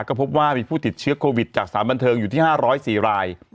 ก็พบว่ามีผู้ติดเชื้อโควิดจากสถานบันเทิงอยู่ที่๕๐๔ราย